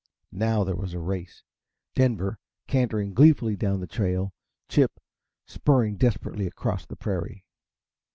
Now there was a race; Denver, cantering gleefully down the trail, Chip spurring desperately across the prairie.